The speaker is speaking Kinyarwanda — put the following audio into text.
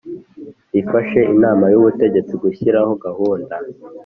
rifashe Inama y Ubutegetsi gushyiraho gahunda